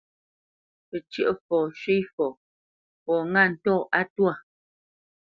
Lə́ pəcə̂ʼfɔ ghyə̂ shwé fɔ, fɔ ŋâ ntɔ̂ á twâ.